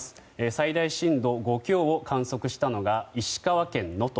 最大震度５強を観測したのが石川県能登。